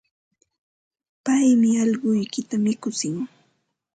Paymi allquykita mikutsin.